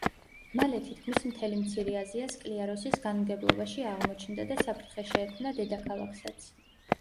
მალე თითქმის მთელი მცირე აზია სკლიაროსის განმგებლობაში აღმოჩნდა და საფრთხე შეექმნა დედაქალაქსაც.